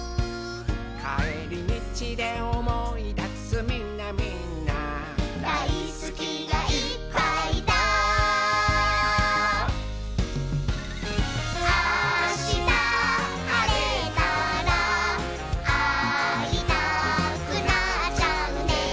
「かえりみちでおもいだすみんなみんな」「だいすきがいっぱいだ」「あしたはれたらあいたくなっちゃうね」